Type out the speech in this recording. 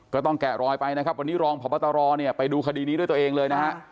แกะรอยไปนะครับวันนี้รองพบตรเนี่ยไปดูคดีนี้ด้วยตัวเองเลยนะฮะ